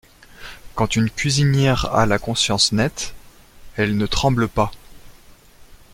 Quand une cuisinière a la conscience nette, elle ne tremble pas !…